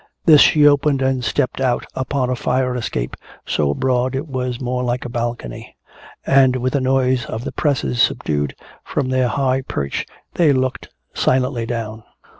This she opened and stepped out upon a fire escape so broad it was more like a balcony. And with the noise of the presses subdued, from their high perch they looked silently down.